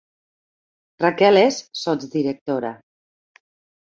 Raquel és sots-directora